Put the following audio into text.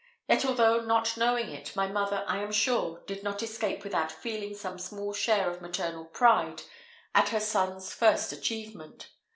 Yet, although not knowing it, my mother, I am sure, did not escape without feeling some small share of maternal pride at her son's first achievement.